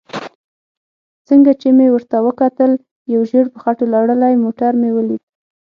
څنګه چې مې ورته وکتل یو ژېړ په خټو لړلی موټر مې ولید.